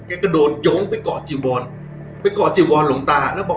เก๋ก็โดนโหงไปเกาะจีวอนไปเกาะจีวอนลูกตาแล้วบอก